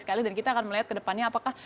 sekali dan kita akan melihat ke depannya apakah